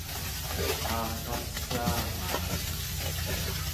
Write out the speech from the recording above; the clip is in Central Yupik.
aaqassaaraa